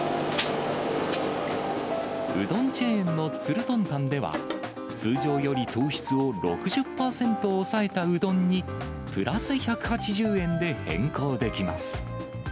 うどんチェーンのつるとんたんでは、通常より糖質を６０％抑えたうどんに、プラス１８０円で変更できます。